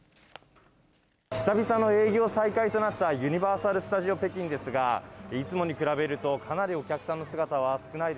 久々の営業再開となったユニバーサル・スタジオ北京ですが、いつもに比べると、かなりお客さ